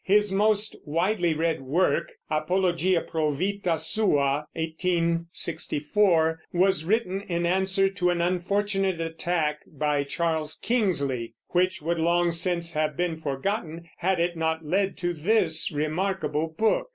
His most widely read work, Apologia Pro Vita Sua (1864), was written in answer to an unfortunate attack by Charles Kingsley, which would long since have been forgotten had it not led to this remarkable book.